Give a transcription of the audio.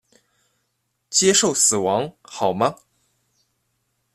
接受死亡好吗？